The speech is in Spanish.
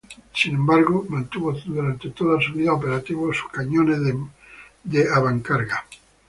Sin embargo, mantuvo durante toda su vida operativa sus cañones de avancarga.